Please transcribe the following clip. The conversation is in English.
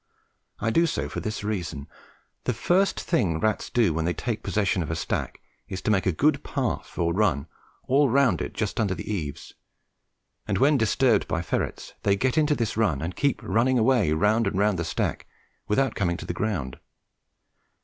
I do so for this reason. The first thing rats do when they take possession of a stack is to make a good path, or run, all round it just under the eaves; and when disturbed by ferrets, they get into this run and keep running away round and round the stack without coming to the ground.